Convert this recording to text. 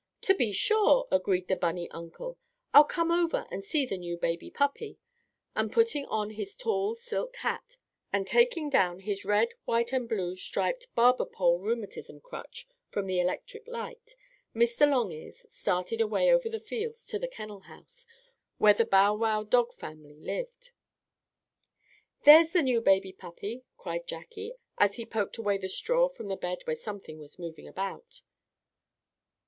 "To be sure," agreed the bunny uncle. "I'll come over and see the new baby puppy," and putting on his tall silk hat, and taking down his red white and blue striped barber pole rheumatism crutch from the electric light, Mr. Longears started away over the fields to the kennel house, where the Bow Wow dog family lived. "There's the new baby puppy!" cried Jackie, as he poked away the straw from the bed where something was moving about.